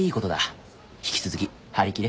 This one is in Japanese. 引き続き張り切れ。